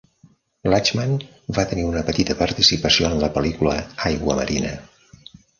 Lachman va tenir una petita participació en la pel·lícula "Aiguamarina".